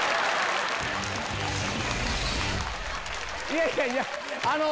いやいやいやあの。